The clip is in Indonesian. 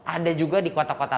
ada juga di kota kota